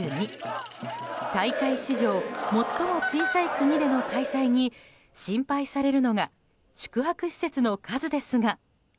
大会史上最も小さい国での開催に心配されるのが宿泊施設の数ですが。